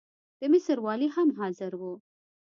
د مصر والي هم حاضر وو.